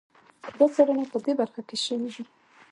دا څېړنې په دې برخه کې شوي دي.